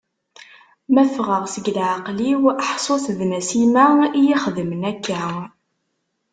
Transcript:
Ma ffɣeɣ seg leɛqel-iw ḥṣut d Nasima i yi-xedmen akka.